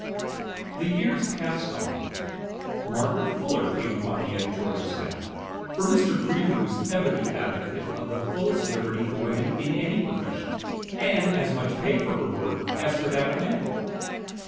The years passed on. Margaret Fuller came upon the editorial staff; for Mr. Greeley was ever the advocate of the fullest liberty for woman in any profession, and as much pay for her work as for that of men.